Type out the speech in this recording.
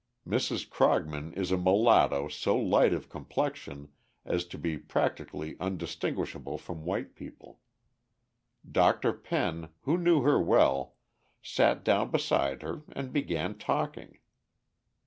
Mrs. Crogman is a mulatto so light of complexion as to be practically undistinguishable from white people. Dr. Penn, who knew her well, sat down beside her and began talking.